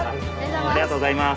ありがとうございます。